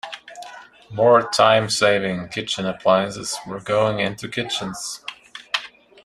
More time saving kitchen appliances were going into kitchens.